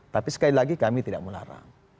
tapi sekali lagi kami tidak melarang